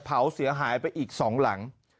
เผาเสียหายไปอีก๒หลัง